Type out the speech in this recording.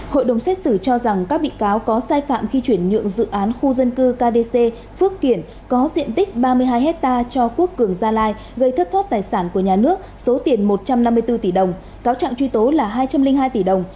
hội đồng xét xử cho rằng các bị cáo có sai phạm khi chuyển nhượng dự án khu dân cư kdc phước kiển có diện tích ba mươi hai hectare cho quốc cường gia lai gây thất thoát tài sản của nhà nước số tiền một trăm năm mươi bốn tỷ đồng cáo trạng truy tố là hai trăm linh hai tỷ đồng